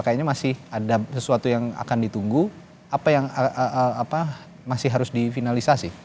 kayaknya masih ada sesuatu yang akan ditunggu apa yang masih harus difinalisasi